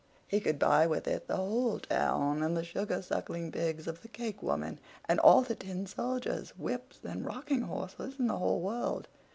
He could buy with it the whole town, and the sugar sucking pigs of the cake woman, and all the tin soldiers, whips, and rocking horses in the whole world.